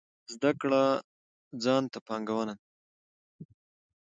زده کړه ځان ته پانګونه ده